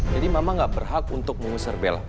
jadi mama gak berhak untuk mengusir bella